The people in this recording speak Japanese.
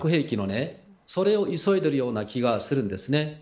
それを急いでいるような気がするんです。